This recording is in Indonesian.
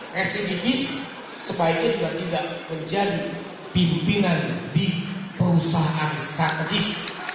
residivis sebaiknya juga tidak menjadi pimpinan di perusahaan strategis